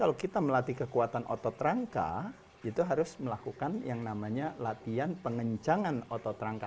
kalau kita melatih kekuatan otot rangka itu harus melakukan yang namanya latihan pengencangan otot rangka